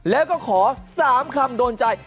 แล้วก็ขอ๓คำโดนใจ